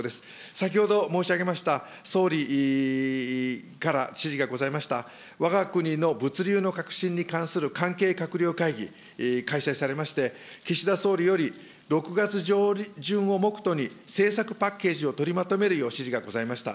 先ほど申し上げました、総理から指示がございましたわが国の物流の革新に関する関係閣僚会議、開催されまして、岸田総理より、６月上旬を目途に政策パッケージを取りまとめるよう指示がございました。